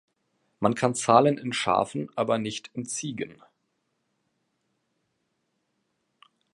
Man kann zahlen in Schafen aber nicht in Ziegen.